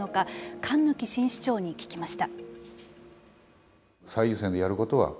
関貫新市長に聞きました。